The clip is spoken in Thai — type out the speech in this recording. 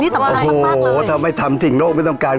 ทำไมทำสิ่งโลกไม่ต้องการ